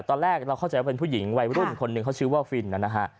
ตอนแรกเราเข้าใจว่าเป็นผู้หญิงวัยรุ่นคนหนึ่งเขาชื่อว่าฟินนะฮะ